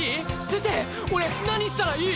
先生俺何したらいい？